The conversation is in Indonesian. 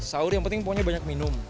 sahur yang penting pokoknya banyak minum